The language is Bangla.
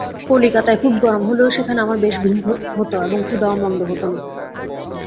কলিকাতায় খুব গরম হলেও সেখানে আমার বেশ ঘুম হত এবং ক্ষুধাও মন্দ হত না।